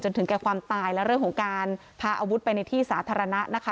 ถึงแก่ความตายและเรื่องของการพาอาวุธไปในที่สาธารณะนะคะ